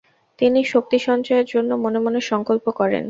তিনি শক্তি সঞ্চয়ের জন্য মনে মনে সংকল্প করেন।